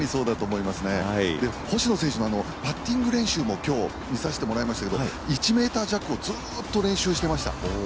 星野選手のパッティング練習も見させていただきましたけど１ｍ弱をずっと練習していました。